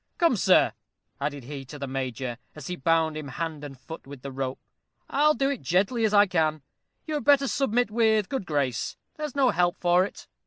Come, sir," added he, to the Major, as he bound him hand and foot with the rope, "I'll do it as gently as I can. You had better submit with a good grace. There's no help for it.